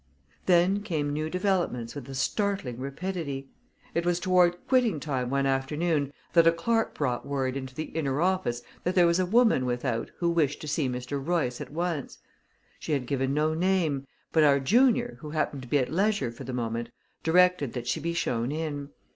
Then came new developments with a startling rapidity. It was toward quitting time one afternoon that a clerk brought word into the inner office that there was a woman without who wished to see Mr. Royce at once. She had given no name, but our junior, who happened to be at leisure for the moment, directed that she be shown in.